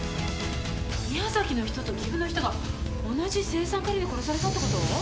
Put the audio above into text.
宮崎の人と岐阜の人が同じ青酸カリで殺されたってこと！？